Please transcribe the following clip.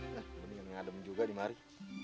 ya lebih yang adem juga dimari